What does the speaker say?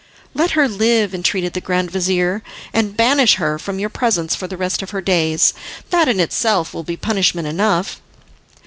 "Let her live," entreated the grand vizir, "and banish her from your presence for the rest of her days. That in itself will be punishment enough."